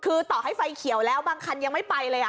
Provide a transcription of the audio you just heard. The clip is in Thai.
คือต่อให้ไฟเขียวแล้วบางคันยังไม่ไปเลย